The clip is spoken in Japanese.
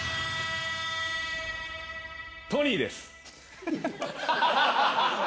トニーです。